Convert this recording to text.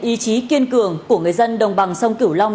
ý chí kiên cường của người dân đồng bằng sông cửu long